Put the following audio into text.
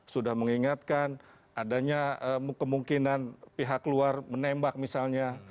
sudah mengingatkan adanya kemungkinan pihak luar menembak misalnya